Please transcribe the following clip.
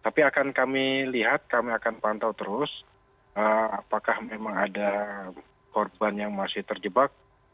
tapi akan kami lihat kami akan pantau terus apakah memang ada korban yang masih terjebak